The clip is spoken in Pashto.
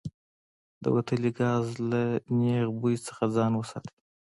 د وتلي ګاز له نیغ بوی څخه ځان وساتئ.